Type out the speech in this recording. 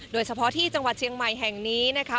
โดยเฉพาะที่จังหวัดเชียงใหม่แห่งนี้นะคะ